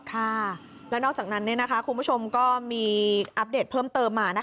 ค่ะแล้วนอกจากนั้นคุณผู้ชมก็มีอัปเดตเพิ่มเติมมา